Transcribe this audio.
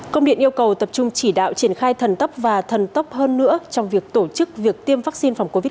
công điện yêu cầu tập trung chỉ đạo triển khai thần tốc và thần tốc hơn nữa trong việc tổ chức việc tiêm vaccine phòng covid một mươi